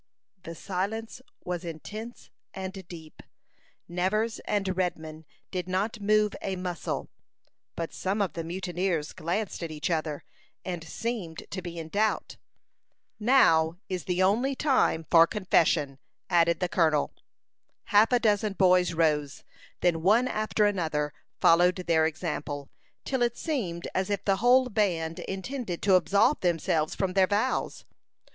The silence was intense and deep. Nevers and Redman did not move a muscle, but some of the mutineers glanced at each other, and seemed to be in doubt. "Now is the only time for confession," added the colonel. Half a dozen boys rose; then one after another followed their example, till it seemed as if the whole band intended to absolve themselves from their vows.